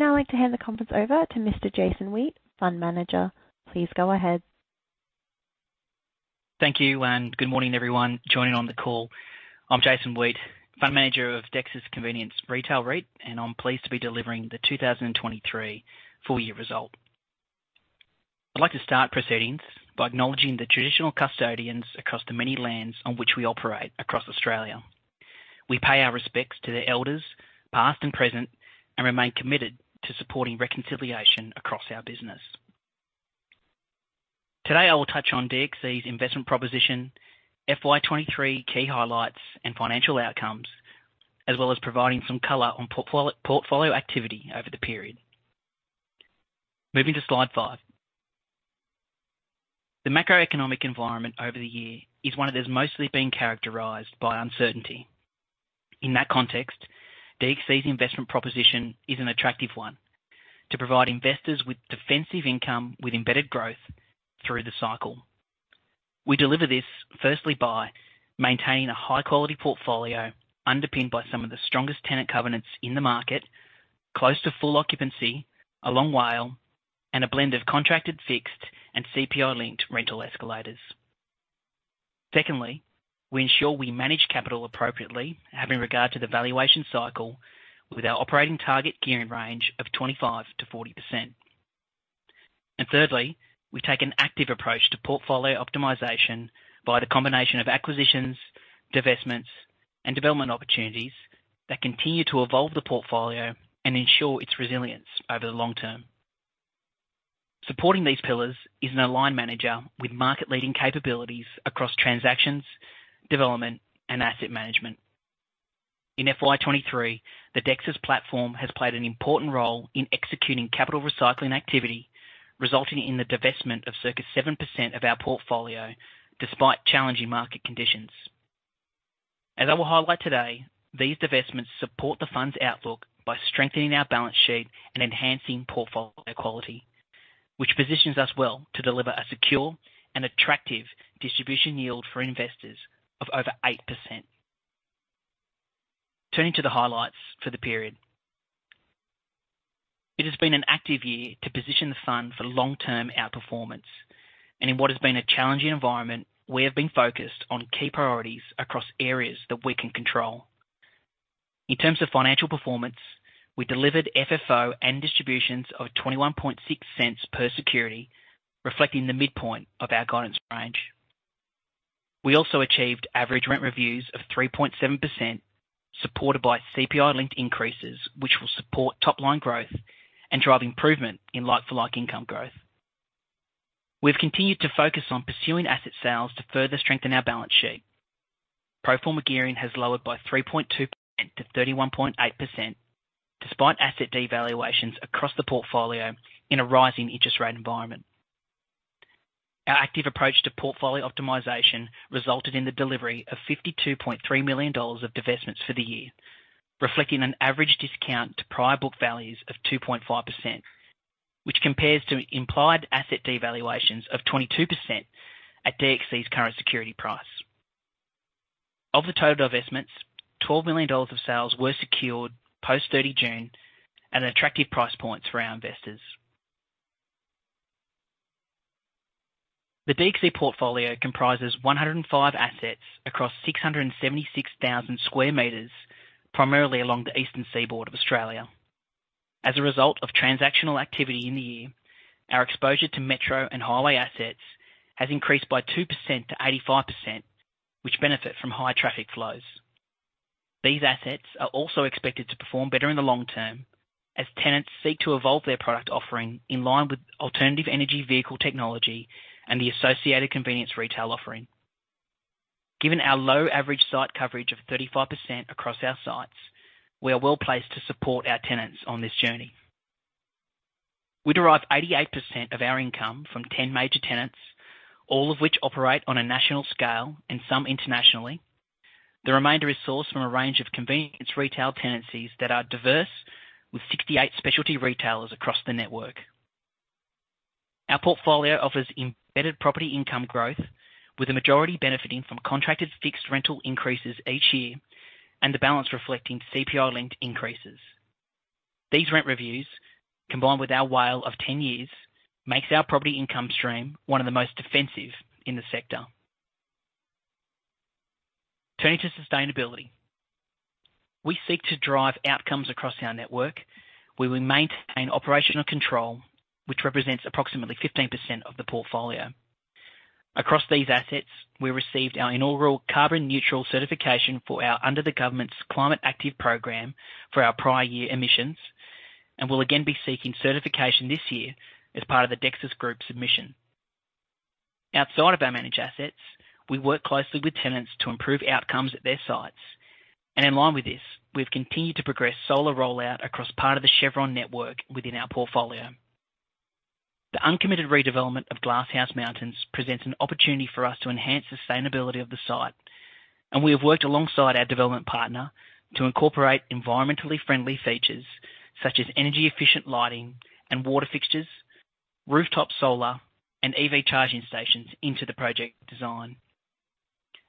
I would now like to hand the conference over to Mr. Jason Weidlich, Fund Manager. Please go ahead. Thank you. Good morning, everyone joining on the call. I'm Jason Weidlich, Fund Manager of Dexus Convenience Retail REIT, and I'm pleased to be delivering the 2023 full year result. I'd like to start proceedings by acknowledging the traditional custodians across the many lands on which we operate across Australia. We pay our respects to the elders, past and present, and remain committed to supporting reconciliation across our business. Today, I will touch on DXC's investment proposition, FY2023 key highlights and financial outcomes, as well as providing some color on portfolio activity over the period. Moving to Slide 5. The macroeconomic environment over the year is one that has mostly been characterized by uncertainty. In that context, DXC's investment proposition is an attractive one: to provide investors with defensive income, with embedded growth through the cycle. We deliver this firstly, by maintaining a high-quality portfolio, underpinned by some of the strongest tenant covenants in the market, close to full occupancy, a long WALE, and a blend of contracted, fixed and CPI-linked rental escalators. Secondly, we ensure we manage capital appropriately, having regard to the valuation cycle with our operating target gearing range of 25%-40%. Thirdly, we take an active approach to portfolio optimization by the combination of acquisitions, divestments, and development opportunities that continue to evolve the portfolio and ensure its resilience over the long term. Supporting these pillars is an aligned manager with market-leading capabilities across transactions, development, and asset management. In FY2023, the Dexus platform has played an important role in executing capital recycling activity, resulting in the divestment of circa 7% of our portfolio, despite challenging market conditions. As I will highlight today, these divestments support the fund's outlook by strengthening our balance sheet and enhancing portfolio quality, which positions us well to deliver a secure and attractive distribution yield for investors of over 8%. Turning to the highlights for the period. It has been an active year to position the fund for long-term outperformance, and in what has been a challenging environment, we have been focused on key priorities across areas that we can control. In terms of financial performance, we delivered FFO and distributions of 0.216 per security, reflecting the midpoint of our guidance range. We also achieved average rent reviews of 3.7%, supported by CPI-linked increases, which will support top-line growth and drive improvement in like-for-like income growth. We've continued to focus on pursuing asset sales to further strengthen our balance sheet. Pro forma gearing has lowered by 3.2%-31.8%, despite asset devaluations across the portfolio in a rising interest rate environment. Our active approach to portfolio optimization resulted in the delivery of 52.3 million dollars of divestments for the year, reflecting an average discount to prior book values of 2.5%, which compares to implied asset devaluations of 22% at DXC's current security price. Of the total divestments, 12 million dollars of sales were secured post-30 June at an attractive price point for our investors. The DXC portfolio comprises 105 assets across 676,000 square meters, primarily along the eastern seaboard of Australia. As a result of transactional activity in the year, our exposure to metro and highway assets has increased by 2%-85%, which benefit from high traffic flows. These assets are also expected to perform better in the long term as tenants seek to evolve their product offering in line with alternative energy vehicle technology and the associated convenience retail offering. Given our low average site coverage of 35% across our sites, we are well placed to support our tenants on this journey. We derive 88% of our income from 10 major tenants, all of which operate on a national scale and some internationally. The remainder is sourced from a range of convenience retail tenancies that are diverse, with 68 specialty retailers across the network. Our portfolio offers embedded property income growth, with a majority benefiting from contracted fixed rental increases each year and the balance reflecting CPI-linked increases. These rent reviews, combined with our WALE of 10 years, makes our property income stream one of the most defensive in the sector. Turning to sustainability. We seek to drive outcomes across our network, where we maintain operational control, which represents approximately 15% of the portfolio. Across these assets, we received our inaugural carbon neutral certification under the government's Climate Active program for our prior year emissions, and we'll again be seeking certification this year as part of the Dexus Group submission. Outside of our managed assets, we work closely with tenants to improve outcomes at their sites, and in line with this, we've continued to progress solar rollout across part of the Chevron network within our portfolio. The uncommitted redevelopment of Glasshouse Mountains presents an opportunity for us to enhance sustainability of the site, and we have worked alongside our development partner to incorporate environmentally friendly features such as energy-efficient lighting and water fixtures, rooftop solar, and EV charging stations into the project design.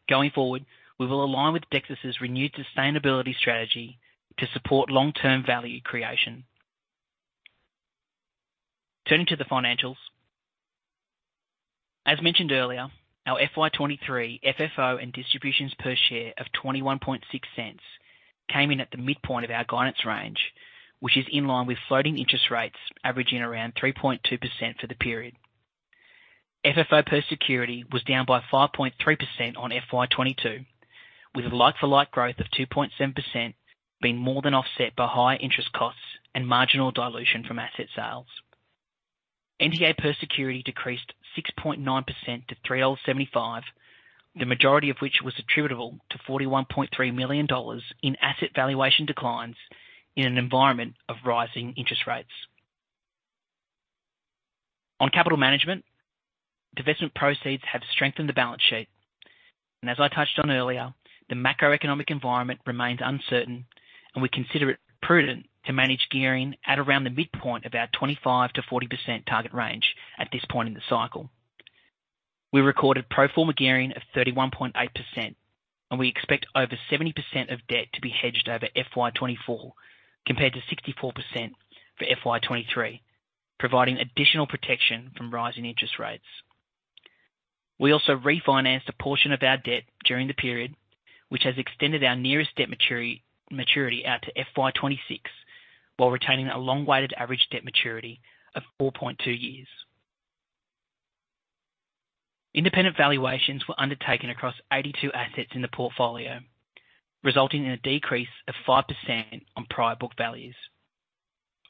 Going forward, we will align with Dexus's renewed sustainability strategy to support long-term value creation. Turning to the financials. As mentioned earlier, our FY2023 FFO and distributions per share of 0.216, came in at the midpoint of our guidance range, which is in line with floating interest rates averaging around 3.2% for the period. FFO per security was down by 5.3% on FY2022, with a like-for-like growth of 2.7% being more than offset by higher interest costs and marginal dilution from asset sales. NTA per security decreased 6.9% to 375, the majority of which was attributable to 41.3 million dollars in asset valuation declines in an environment of rising interest rates. On capital management, divestment proceeds have strengthened the balance sheet. As I touched on earlier, the macroeconomic environment remains uncertain, and we consider it prudent to manage gearing at around the midpoint of our 25%-40% target range at this point in the cycle. We recorded pro forma gearing of 31.8%. We expect over 70% of debt to be hedged over FY2024, compared to 64% for FY2023, providing additional protection from rising interest rates. We also refinanced a portion of our debt during the period, which has extended our nearest debt maturity out to FY2026, while retaining a long weighted average debt maturity of 4.2 years. Independent valuations were undertaken across 82 assets in the portfolio, resulting in a decrease of 5% on prior book values.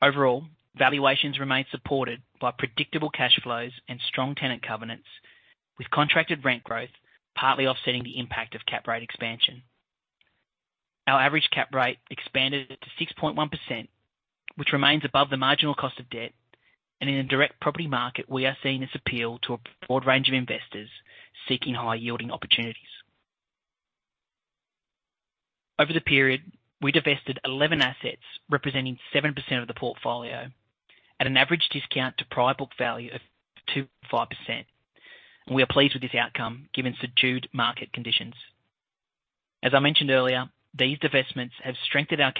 Overall, valuations remain supported by predictable cash flows and strong tenant covenants, with contracted rent growth partly offsetting the impact of cap rate expansion. Our average cap rate expanded to 6.1%, which remains above the marginal cost of debt. In a direct property market, we are seeing this appeal to a broad range of investors seeking high yielding opportunities. Over the period, we divested 11 assets, representing 7% of the portfolio, at an average discount to prior book value of 2.5%, and we are pleased with this outcome, given subdued market conditions. As I mentioned earlier, these divestments have strengthened our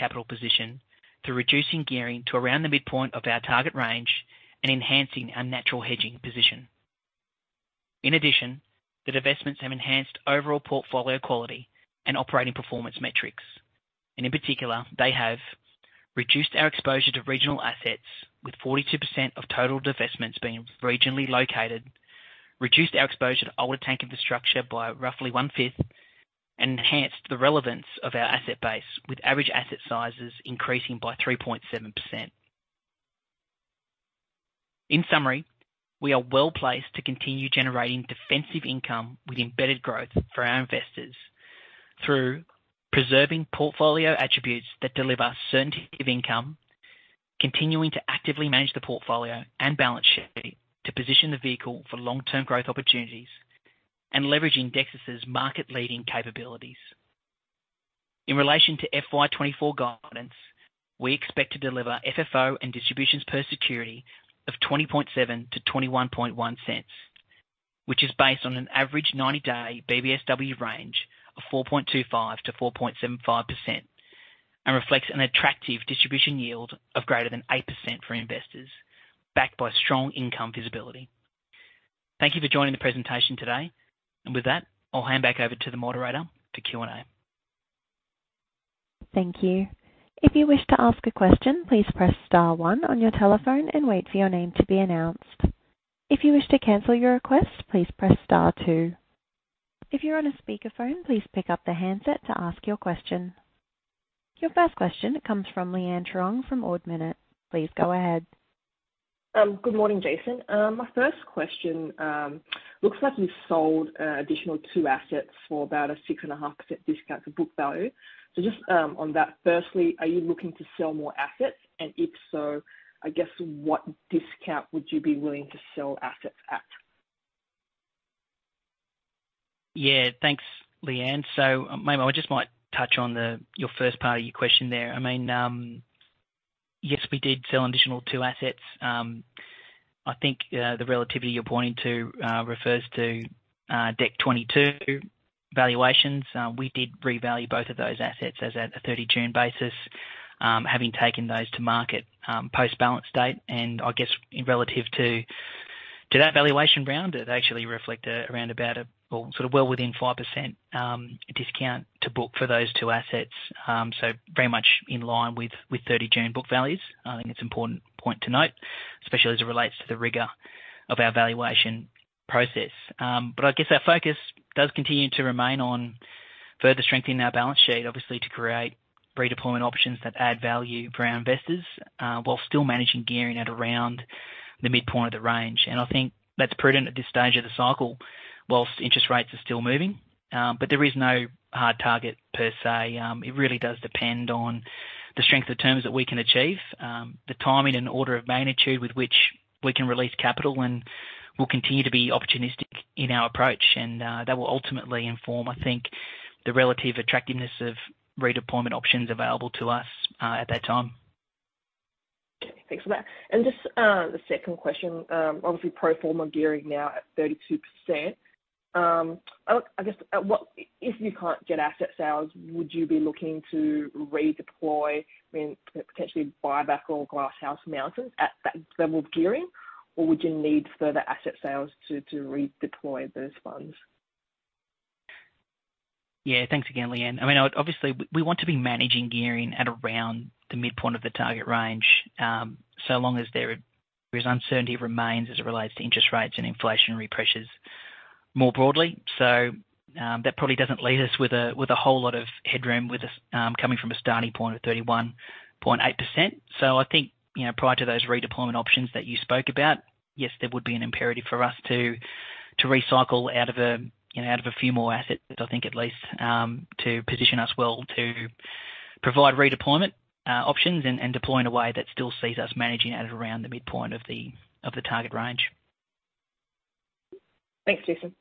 capital position through reducing gearing to around the midpoint of our target range and enhancing our natural hedging position. In addition, the divestments have enhanced overall portfolio quality and operating performance metrics, and in particular, they have reduced our exposure to regional assets, with 42% of total divestments being regionally located, reduced our exposure to older tank infrastructure by roughly 1/5, and enhanced the relevance of our asset base, with average asset sizes increasing by 3.7%. In summary, we are well placed to continue generating defensive income with embedded growth for our investors through preserving portfolio attributes that deliver certainty of income, continuing to actively manage the portfolio and balance sheet to position the vehicle for long-term growth opportunities, and leveraging Dexus's market-leading capabilities. In relation to FY2024 guidance, we expect to deliver FFO and distributions per security of 0.207-0.211, which is based on an average 90-day BBSW range of 4.25%-4.75% and reflects an attractive distribution yield of greater than 8% for investors, backed by strong income visibility. Thank you for joining the presentation today, and with that, I'll hand back over to the moderator for Q&A. Thank you. If you wish to ask a question, please press star one on your telephone and wait for your name to be announced. If you wish to cancel your request, please press star two. If you're on a speakerphone, please pick up the handset to ask your question. Your first question comes from Leanne Truong from Ord Minnett. Please go ahead. Good morning, Jason Weidlich. My first question, looks like you've sold additional two assets for about a 6.5% discount to book value. Just, on that, firstly, are you looking to sell more assets? If so, I guess what discount would you be willing to sell assets at? Yeah, thanks, Leanne. Maybe I just might touch on the, your first part of your question there. I mean, yes, we did sell an additional two assets. I think the relativity you're pointing to refers to December 2022 valuations. We did revalue both of those assets as at a June 30 basis, having taken those to market post-balance date, and I guess in relative to that valuation round, it actually reflect around about a or sort of well within 5% discount to book for those two assets. Very much in line with June 30 book values. I think it's an important point to note, especially as it relates to the rigor of our valuation process. I guess our focus does continue to remain on further strengthening our balance sheet, obviously, to create redeployment options that add value for our investors, while still managing gearing at around the midpoint of the range. I think that's prudent at this stage of the cycle, whilst interest rates are still moving. There is no hard target per se. It really does depend on the strength of terms that we can achieve, the timing and order of magnitude with which we can release capital and we'll continue to be opportunistic in our approach. That will ultimately inform, I think, the relative attractiveness of redeployment options available to us, at that time. Thanks for that. Just, the second question, obviously, pro forma gearing now at 32%. I, I guess, if you can't get asset sales, would you be looking to redeploy, I mean, potentially buyback all Glasshouse Mountains at that level of gearing? Would you need further asset sales to, to redeploy those funds? Yeah. Thanks again, Leanne. I mean, obviously, we want to be managing gearing at around the midpoint of the target range, so long as there is uncertainty remains as it relates to interest rates and inflationary pressures more broadly. That probably doesn't leave us with a whole lot of headroom with us, coming from a starting point of 31.8%. I think, you know, prior to those redeployment options that you spoke about, yes, there would be an imperative for us to recycle out of a, you know, out of a few more assets, I think at least, to position us well to provide redeployment options and deploy in a way that still sees us managing at around the midpoint of the target range. Thanks, Jason.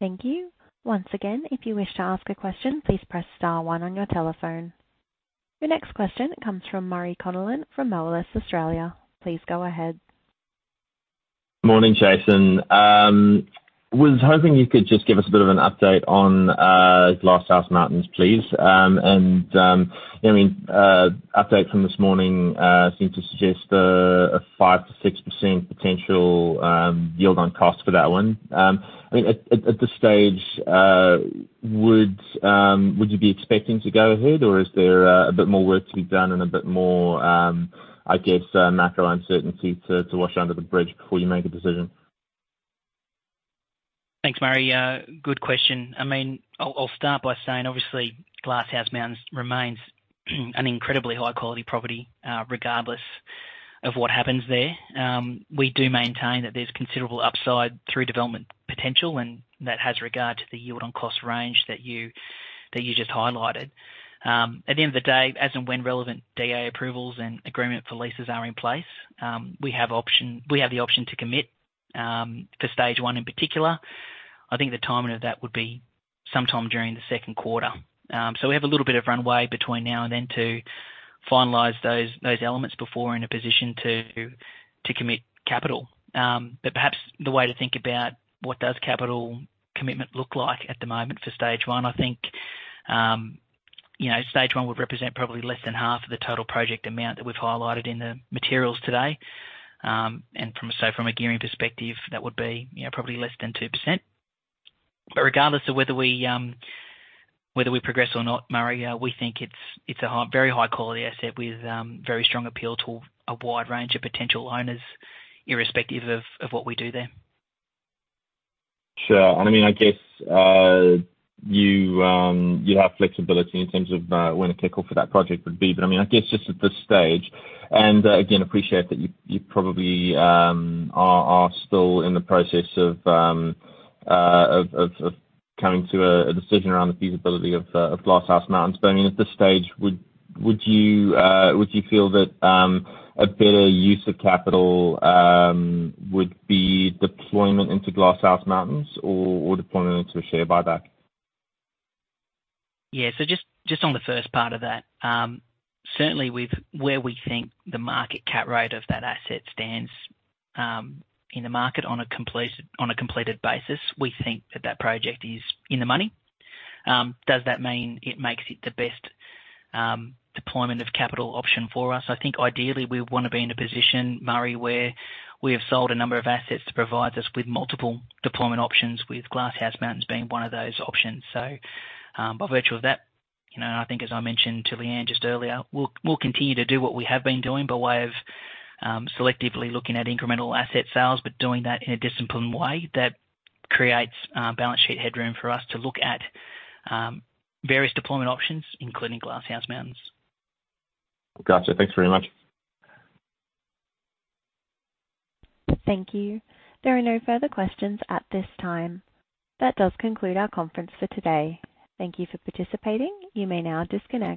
Thank you. Once again, if you wish to ask a question, please press star one on your telephone. Your next question comes from Murray Connellan from Moelis Australia. Please go ahead. Morning, Jason. was hoping you could just give us a bit of an update on Glasshouse Mountains, please. I mean, update from this morning seems to suggest a 5%-6% potential yield on cost for that one. I mean, at, at, at this stage, would you be expecting to go ahead, or is there a bit more work to be done and a bit more, I guess, macro uncertainty to wash under the bridge before you make a decision? Thanks, Murray. Good question. I mean, I'll, I'll start by saying obviously, Glasshouse Mountains remains an incredibly high-quality property, regardless of what happens there. We do maintain that there's considerable upside through development potential, and that has regard to the yield on cost range that you, that you just highlighted. At the end of the day, as and when relevant DA approvals and agreement for leases are in place, we have the option to commit, for Stage 1 in particular. I think the timing of that would be sometime during the 2Q. We have a little bit of runway between now and then to finalize those, those elements before we're in a position to, to commit capital. Perhaps the way to think about what does capital commitment look like at the moment for Stage 1, I think, you know, Stage 1 would represent probably less than half of the total project amount that we've highlighted in the materials today. From a gearing perspective, that would be, you know, probably less than 2%. Regardless of whether we, whether we progress or not, Murray, we think it's, it's a high, very high quality asset with very strong appeal to a wide range of potential owners, irrespective of, of what we do there. Sure. I mean, I guess, you, you have flexibility in terms of, when a kickoff for that project would be. But, I mean, I guess just at this stage, and, again, appreciate that you, you probably, are, are still in the process of coming to a, a decision around the feasibility of Glasshouse Mountains. But, I mean, at this stage, would, would you, would you feel that, a better use of capital, would be deployment into Glasshouse Mountains or, or deployment into a share buyback? Yeah. Just, just on the first part of that, certainly with where we think the market cap rate of that asset stands, in the market on a completed, on a completed basis, we think that that project is in the money. Does that mean it makes it the best deployment of capital option for us? I think ideally we want to be in a position, Murray, where we have sold a number of assets to provide us with multiple deployment options, with Glasshouse Mountains being one of those options. By virtue of that, you know, I think as I mentioned to Leanne just earlier, we'll, we'll continue to do what we have been doing by way of, selectively looking at incremental asset sales, but doing that in a disciplined way that creates, balance sheet headroom for us to look at, various deployment options, including Glasshouse Mountains. Gotcha. Thanks very much. Thank you. There are no further questions at this time. That does conclude our conference for today. Thank you for participating. You may now disconnect.